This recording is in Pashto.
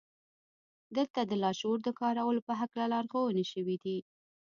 دلته د لاشعور د کارولو په هکله لارښوونې شوې دي